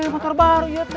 motor baru iya teh